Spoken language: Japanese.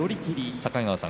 境川さん